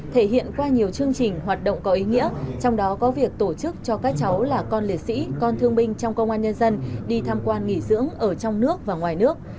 thể hiện qua nhiều chương trình hoạt động có ý nghĩa trong đó có việc tổ chức cho các cháu là con liệt sĩ con thương binh trong công an nhân dân đi tham quan nghỉ dưỡng ở trong nước và ngoài nước